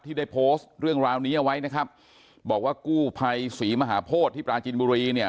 ได้โพสต์เรื่องราวนี้เอาไว้นะครับบอกว่ากู้ภัยศรีมหาโพธิที่ปราจินบุรีเนี่ย